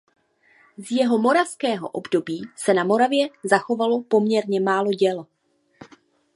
Z jeho moravského období se na Moravě zachovalo poměrně málo děl.